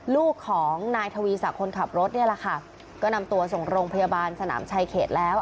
ลูกของนายทวีศักดิ์คนขับรถเนี่ยแหละค่ะก็นำตัวส่งโรงพยาบาลสนามชายเขตแล้ว